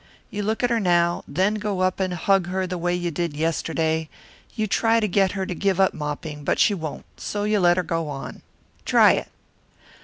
You look at her now, then go up and hug her the way you did yesterday; you try to get her to give up mopping, but she won't, so you let her go on. Try it."